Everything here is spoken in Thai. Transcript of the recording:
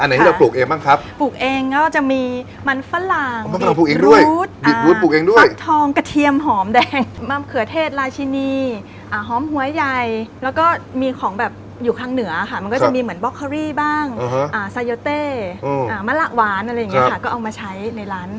อันไหนที่เราปลูกเองบ้างครับปลูกเองก็จะมีมันฝรั่งบิดรูดฝักทองกระเทียมหอมแดงมะเขือเทศลาชินีหอมหัวไยแล้วก็มีของแบบอยู่ข้างเหนือค่ะมันก็จะมีเหมือนบล็อกคอรี่บ้างไซโยเตมะหลักหวานอะไรอย่างนี้ค่ะก็เอามาใช้ในร้าน